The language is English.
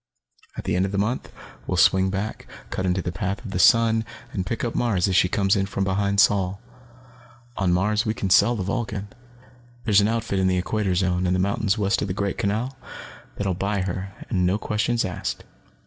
"At the end of the month, we'll swing back, cut into the path of the sun, and pick up Mars as she comes in from behind Sol. "On Mars, we can sell the Vulcan. There's an outfit in the Equator Zone, in the mountains west of the Great Canal, that will buy her and no questions asked.